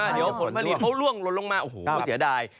เดี๋ยวผลผลิตเขาล่วงลนลงมาโอ้โหเสียดาย